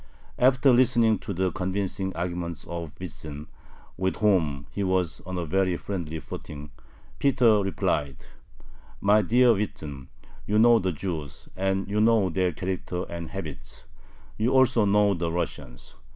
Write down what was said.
After listening to the convincing arguments of Witsen, with whom he was on a very friendly footing, Peter replied: My dear Witsen, you know the Jews, and you know their character and habits; you also know the Russians.